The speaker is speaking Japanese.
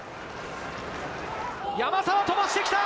山沢、飛ばしてきた。